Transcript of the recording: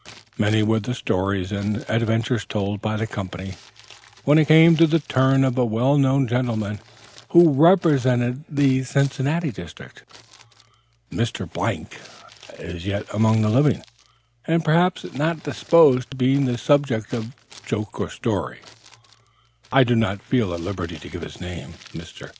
Many were the stories and adventures told by the company, when it came to the turn of a well known gentleman who represented the Cincinnati district. As Mr. is yet among the living, and perhaps not disposed to be the subject of joke or story, I do not feel at liberty to give his name. Mr.